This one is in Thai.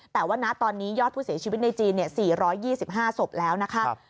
แต่ว่าณตอนนี้ยอดผู้เสียชีวิตในจีน๔๒๕ศพแล้วนะคะ